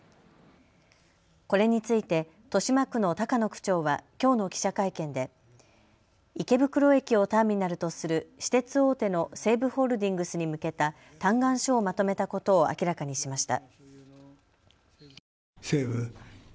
これについて豊島区の高野区長はきょうの記者会見で池袋駅をターミナルとする私鉄大手の西武ホールディングスに向けた嘆願書をまとめたことを明らかにしました。